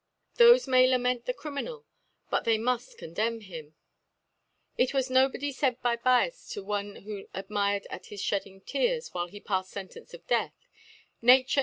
Thofe may la ment the Criminal, but thefe muft condemn him. It was nobly faid by Bias to one who admired at his fhedding Tears whilft he pad Sentence of litath, * N.uure.